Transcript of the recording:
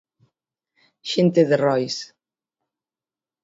Xente de Rois.